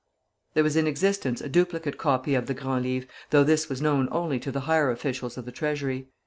There was in existence a duplicate copy of the Grand Livre, though this was known only to the higher officials of the Treasury.